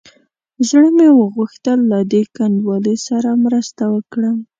زړه مې وغوښتل له دې کنډوالې سره مرسته وکړم.